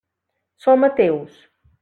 Som ateus.